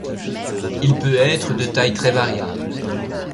Il peut être de taille très variable.